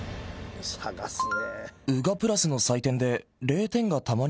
探すね。